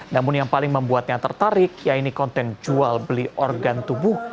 namun yang paling membuatnya tertarik yaitu konten jual beli organ tubuh